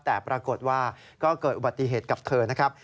แต่ปรากฏว่าก็เกิดอุบัติเหตุกับเธอนะครับ